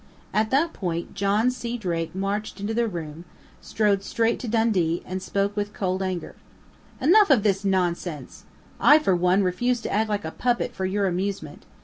At that point John C. Drake marched into the room, strode straight to Dundee, and spoke with cold anger: "Enough of this nonsense! I, for one, refuse to act like a puppet for your amusement!